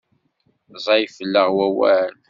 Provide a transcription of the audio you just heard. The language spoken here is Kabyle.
Ẓẓay fell-aɣ wawal.